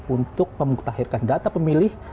untuk memutakhirkan data pemilih